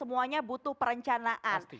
semuanya butuh perencanaan